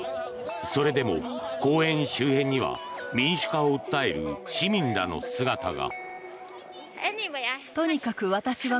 それでも公園周辺には民主化を訴える市民らの姿が。